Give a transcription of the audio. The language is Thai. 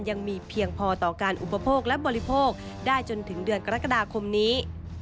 ยังมีเพียงพอต่อการอุปโภคและบริโภคได้จนถึงเดือนกรกฎาคมนี้